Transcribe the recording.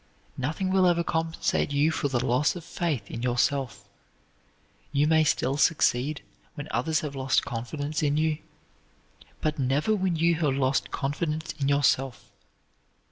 Nothing will ever compensate you for the loss of faith in yourself. You may still succeed when others have lost confidence in you, but never when you have lost confidence in yourself.